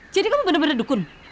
jadi kamu bener bener dukun